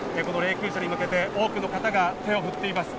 その霊柩車に向けて多くの方が手を振っています。